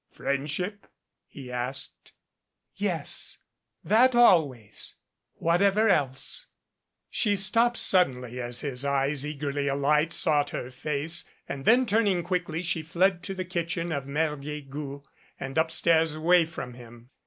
"Friendship?" he asked. 180 PERE GUEGOU'S ROSES "Yes, that always whatever else " She stopped suddenly as his eyes eagerly alight sought her face, and then turning quickly she fled to the kitchen of Mere Guegou and upstairs away from him.